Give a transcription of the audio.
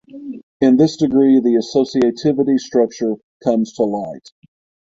In this degree the associativity structure comes to light.